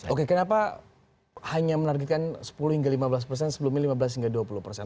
oke kenapa hanya menargetkan sepuluh hingga lima belas persen sebelumnya lima belas hingga dua puluh persen